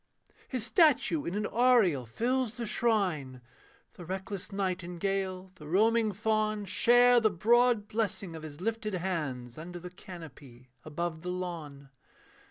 His statue in an aureole fills the shrine, The reckless nightingale, the roaming fawn, Share the broad blessing of his lifted hands, Under the canopy, above the lawn.